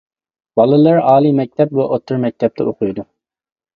بالىلىرى ئالىي مەكتەپ، ۋە ئوتتۇرا مەكتەپتە ئوقۇيدۇ.